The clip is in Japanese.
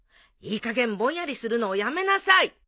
いいかげんぼんやりするのをやめなさい！